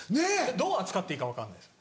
どう扱っていいか分かんないです。